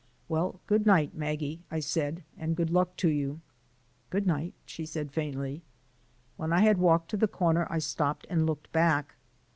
"Well, good night, Maggie," I said, "and good luck to you." "Good night," she said faintly. When I had walked to the corner, I stopped and looked back.